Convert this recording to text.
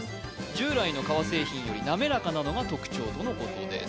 従来の革製品よりなめらかなのが特徴とのことです